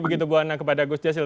begitu bu hana kepada gus jazil